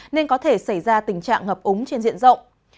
nên có thể xảy ra tình trạng ngập úng trên diện rộng